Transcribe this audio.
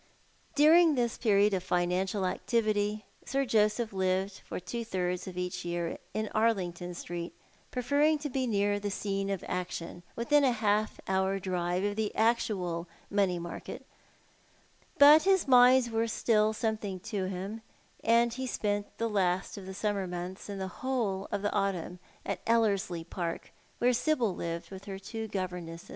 During this period of financial activity Sir Joseph lived for two thirds of each year in Arlington Street, preferring to be near the scene of action, within a half hour drive of the actual money market; but his mines were still something to him, and he spent the last of the summer mouths and the whole of the autumn at Ellerslie Park, where Sibyl lived with her two gover nesses.